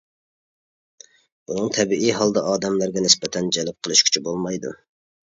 بۇنىڭ تەبىئىي ھالدا ئادەملەرگە نىسبەتەن جەلپ قىلىش كۈچى بولمايدۇ.